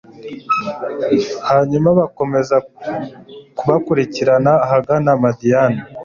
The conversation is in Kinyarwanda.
hanyuma bakomeza kubakurikirana ahagana madiyani